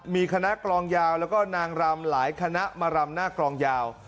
มีคณะกลองยาวแล้วก็นางรำหลายคณะมารำหน้ากลองยาว